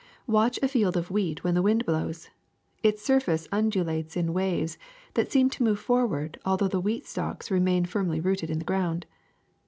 Watch a field of wheat when the wind blows. Its surface undulates in waves that seem to move forward although the wheat stalks re main firmly rooted in the ground.